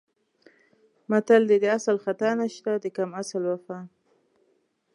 متل دی: د اصل خطا نشته د کم اصل وفا.